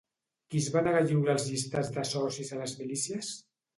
Qui es va negar a lliurar els llistats de socis a les milícies?